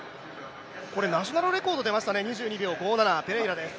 これ、ナショナルレコード出ましたね、２２秒５７、ペレイラです。